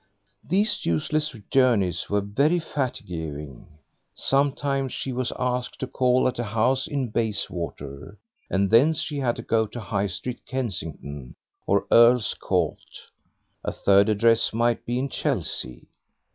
These useless journeys were very fatiguing. Sometimes she was asked to call at a house in Bayswater, and thence she had to go to High Street, Kensington, or Earl's Court; a third address might be in Chelsea.